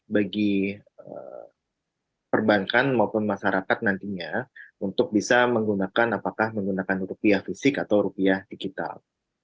bagi perbankan maupun masyarakat nantinya untuk bisa menggunakan apakah menggunakan rupiah fisik atau rupiah digital